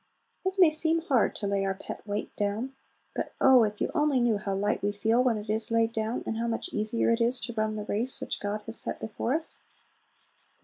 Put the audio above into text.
It may seem hard to lay our pet weight down; but oh, if you only knew how light we feel when it is laid down, and how much easier it is to run the race which God has set before us!